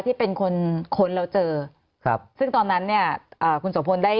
ที่เป็นคนค้นแล้วเจอครับซึ่งตอนนั้นเนี่ยอ่าคุณโสพลได้